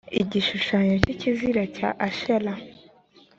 igishushanyo cy ikizira cya ashera